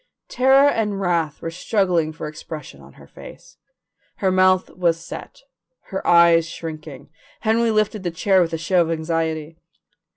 Terror and wrath were struggling for expression on her face. Her mouth was set, her eyes shrinking. Henry lifted the chair with a show of anxiety.